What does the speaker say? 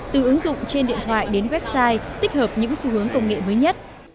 từ ứng dụng trên điện thoại đến website tích hợp những xu hướng công nghệ mới nhất